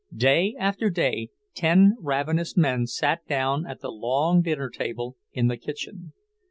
Day after day ten ravenous men sat down at the long dinner table in the kitchen.